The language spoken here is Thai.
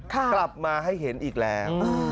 กลับมาให้เห็นอีกแล้ว